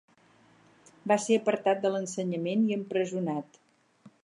Va ser apartat de l'ensenyament i empresonat.